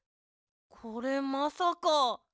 これまさか。